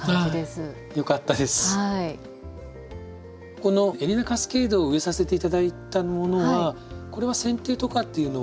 このエリナカスケードを植えさせて頂いたものはこれはせん定とかっていうのは？